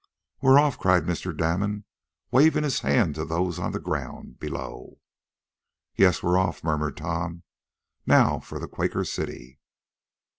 "We're off!" cried Mr. Damon, waving his hand to those on the ground below. "Yes, we're off," murmured Tom. "Now for the Quaker City!"